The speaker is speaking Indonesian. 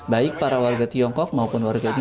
baik para warga tiongkok maupun warga indonesia